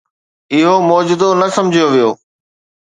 اهو معجزو نه سمجهيو ويو.